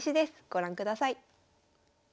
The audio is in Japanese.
ご覧ください。